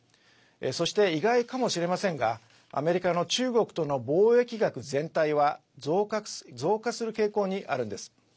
そして、意外かもしれませんがアメリカの中国との貿易額全体は増加する傾向にあるんです。